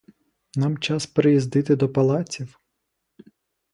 Нам час переїздити до палаців!